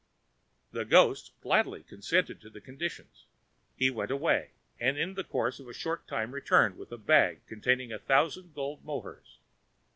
The ghost gladly consented to the conditions. He went away, and in the course of a short time returned with a bag containing a thousand gold mohurs.